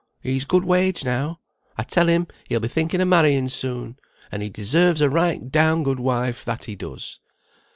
He's good wage now: I tell him he'll be thinking of marrying soon, and he deserves a right down good wife, that he does."